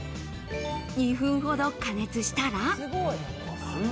２分ほど加熱したら。